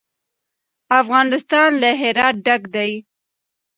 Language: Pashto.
افغانستان له هرات ډک دی.